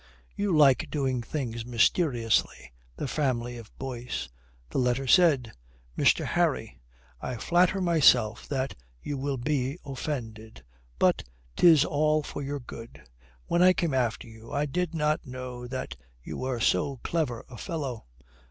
"You like doing things mysteriously, the family of Boyce." The letter said this: "MR. HARRY, I flatter myself that you will be offended. But 'tis all for your good. When I came after you I did not know that you were so clever a fellow.